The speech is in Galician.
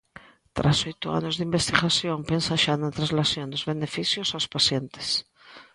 Tras oito anos de investigación, pensan xa na translación dos beneficios aos pacientes.